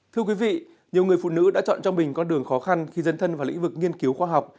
thưa quý vị nhiều người phụ nữ đã chọn cho mình con đường khó khăn khi dân thân vào lĩnh vực nghiên cứu khoa học